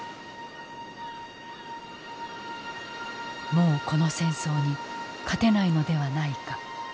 もうこの戦争に勝てないのではないか。